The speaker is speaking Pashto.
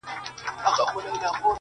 o ساندي هم خوشاله زړه غواړي٫